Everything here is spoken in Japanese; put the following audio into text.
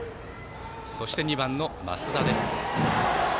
そして、２番の増田です。